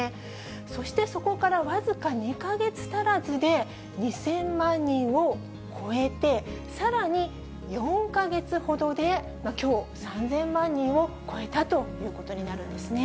そして、そこから僅か２か月足らずで２０００万人を超えて、さらに４か月ほどできょう、３０００万人を超えたということになるんですね。